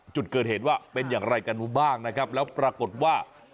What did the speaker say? จุดเกิดเหตุว่าเป็นอย่างไรกันบ้างนะครับแล้วปรากฏว่า